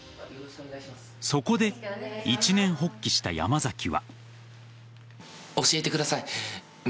そこで一念発起した山崎は。